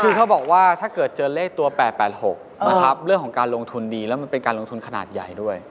คือเขาบอกว่าถ้าเกิดเจอเลขตัว๘๘๖นะครับเรื่องของการลงทุนดีแล้วมันเป็นการลงทุนขนาดใหญ่ด้วย